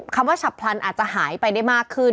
คำว่าฉับพลันอาจจะหายไปได้มากขึ้น